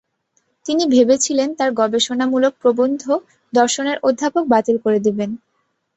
তিনি ভেবেছিলেন তার গবেষণামূলক প্রবন্ধ দর্শনের অধ্যাপক বাতিল করে দেবেন।